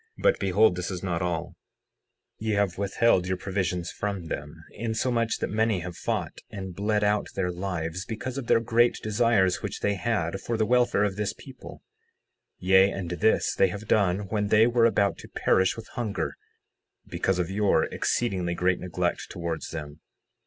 60:9 But behold, this is not all—ye have withheld your provisions from them, insomuch that many have fought and bled out their lives because of their great desires which they had for the welfare of this people; yea, and this they have done when they were about to perish with hunger, because of your exceedingly great neglect towards them.